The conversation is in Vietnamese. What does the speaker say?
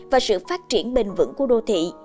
và sự phát triển bền vững của đô thị